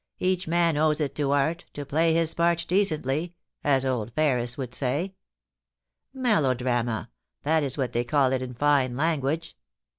Each man owes it to art, to play his part decently, as old Ferris would say. Melodrama — that is what they call it in fine language.